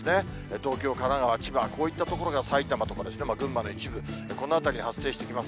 東京、神奈川、千葉、こういった所が、埼玉とか、群馬の一部、この辺り、発生してきます。